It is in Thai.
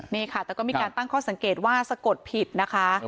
นี่ค่ะแต่ก็มีการตั้งข้อสังเกตว่าสะกดผิดนะคะ